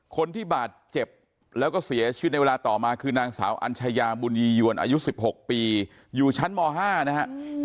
คนที่บาดเจ็บแล้วก็เสียชีวิตในเวลาต่อมาคือนางสาวอัญชยาบุญยียวนอายุ๑๖ปีอยู่ชั้นม๕นะฮะ